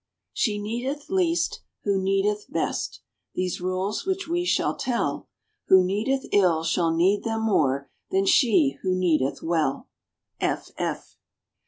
She needeth least, who kneadeth best, These rules which we shall tell; Who kneadeth ill shall need them more Than she who kneadeth well.